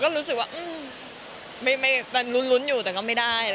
ก็รู้สึกว่าลุ้นอยู่แต่ก็ไม่ได้